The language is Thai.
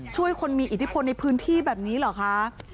ช่วยคนมีอิทธิพลในพื้นที่แบบนี้เหรอคะ